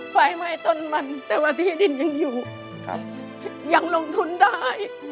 ไฟไหม้ต้นมันแต่ว่าที่ดินยังอยู่ยังลงทุนได้